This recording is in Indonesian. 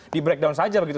di breakdown saja begitu